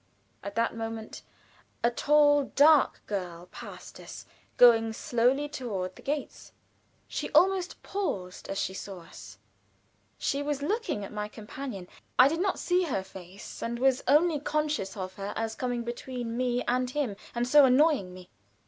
At that moment a tall, dark girl passed us, going slowly toward the gates. She almost paused as she saw us. She was looking at my companion; I did not see her face, and was only conscious of her as coming between me and him, and so annoying me.